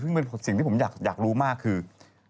ซึ่งเป็นสิ่งที่ผมอยากรู้มากคือ